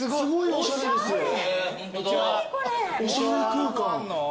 おしゃれ空間。